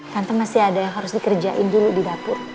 tante masih ada yang harus dikerjain dulu di dapur